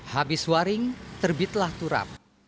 habis waring terbitlah turap